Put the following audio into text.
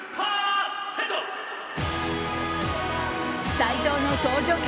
斎藤の登場曲